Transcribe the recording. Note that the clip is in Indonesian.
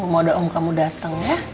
mau ada om kamu datang ya